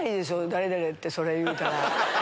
誰々ってそれ言うたら。